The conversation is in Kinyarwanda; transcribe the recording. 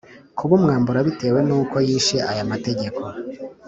kubumwambura bitewe n uko yishe aya mategeko